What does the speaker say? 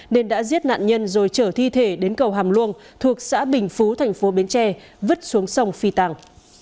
nên đã giết nạn nhân rồi trở thi thể đến cầu hàm luông thuộc xã bình phú thành phố bến tre vứt xuống sông phi tàng